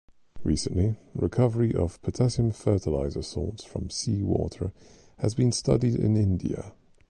Recently, recovery of potassium fertilizer salts from sea water has been studied in India.